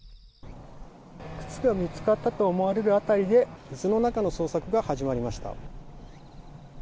靴が見つかったと思われる辺りで水の中の捜索が始まりました。